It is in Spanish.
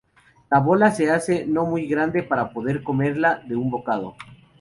La bola se hace no muy grande para poder comerla de un bocado.